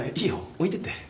置いてって。